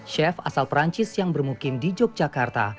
chef asal perancis yang bermukim di yogyakarta